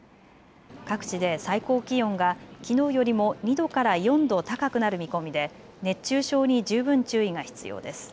各地で最高気温がきのうよりも２度から４度高くなる見込みで熱中症に十分注意が必要です。